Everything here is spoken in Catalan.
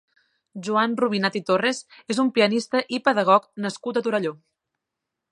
Joan Rubinat i Torres és un pianista i pedagog nascut a Torelló.